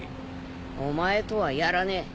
お前とはやらねえ。